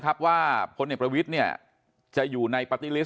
การสอบส่วนแล้วนะ